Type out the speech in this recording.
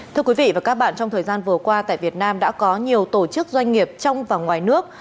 thưa quý vị và các bạn trong thời gian vừa qua tại việt nam đã có nhiều tổ chức doanh nghiệp trong và ngoài nước